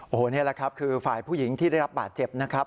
โอ้โหนี่แหละครับคือฝ่ายผู้หญิงที่ได้รับบาดเจ็บนะครับ